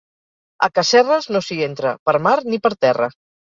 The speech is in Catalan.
A Casserres no s'hi entra per mar ni per terra.